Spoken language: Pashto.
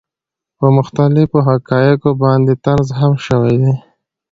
پۀ مختلفو حقائقو باندې طنز هم شوے دے،